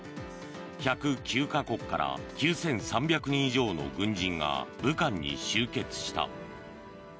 １０９か国から９３００人以上の軍人が武漢に集結した。